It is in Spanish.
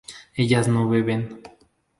ellas no beben